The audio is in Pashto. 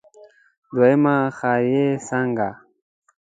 دويمه ښاري څانګه.